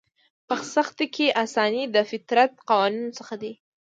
په سختي کې اساني د فطرت قوانینو څخه دی.